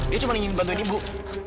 dia cuma ini mencubuk